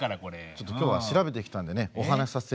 ちょっと今日は調べてきたんでねお話しさせて頂きます。